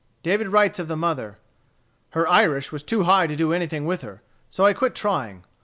David writes of the mother: "Her Irish was too high to do anything with her; so I quit trying.